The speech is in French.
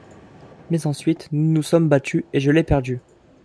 Mais ensuite nous nous sommes battus, et je l’ai perdue.